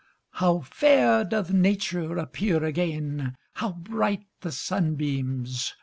How fair doth Nature Appear again! How bright the sunbeams!